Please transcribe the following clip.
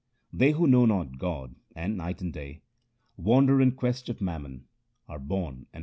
They who know not God, and night and day Wander in quest of mammon, are born and again perish.